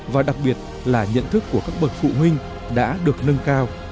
và đặc biệt là nhận thức của các bậc phụ huynh đã được nâng cao